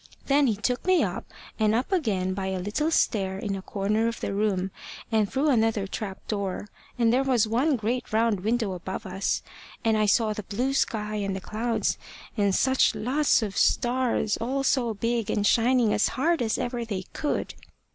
Then he took me up, and up again by a little stair in a corner of the room, and through another trapdoor, and there was one great round window above us, and I saw the blue sky and the clouds, and such lots of stars, all so big and shining as hard as ever they could!"